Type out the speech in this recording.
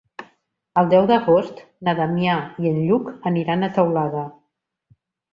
El deu d'agost na Damià i en Lluc aniran a Teulada.